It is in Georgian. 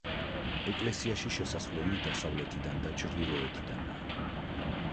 ეკლესიაში შესასვლელი დასავლეთიდან და ჩრდილოეთიდანაა.